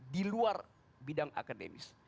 di luar bidang akademis